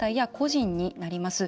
人になります。